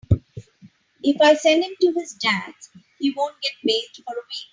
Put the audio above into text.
If I send him to his Dad’s he won’t get bathed for a week.